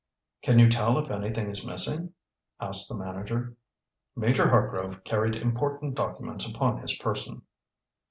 "Can you tell if anything is missing?" asked the manager. "Major Hartgrove carried important documents upon his person."